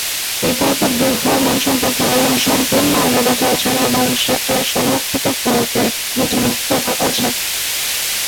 এই পরপর দুই ফরমান সম্পর্কে আল্লাহ সম্পূর্ণ অবগত আছেন এবং সেটি সংরক্ষিত ফলকে নথিভুক্ত আছে।